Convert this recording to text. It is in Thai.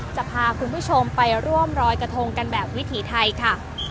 จะพาคุณผู้ชมไปร่วมรอยกระทงกันแบบวิถีไทยค่ะ